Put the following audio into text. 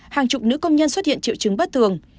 hàng chục nữ công nhân xuất hiện triệu chứng bất thường